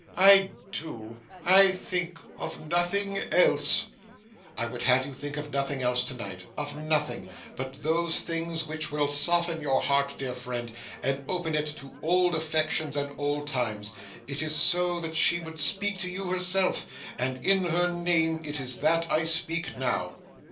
I do. I think of nothing else.' 'I would have you think of nothing else to night of nothing but those things which will soften your heart, dear friend, and open it to old affections and old times. It is so that she would speak to you herself, and in her name it is that I speak now.